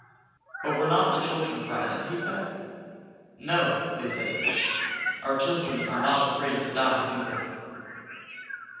"But were not the children frightened?" he said. "No," they said again, "our children are not afraid to die either."